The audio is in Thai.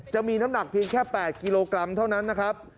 จะมีน้ำหนักเพียงแค่๘กิโลกรัมเท่านั้นนะครับ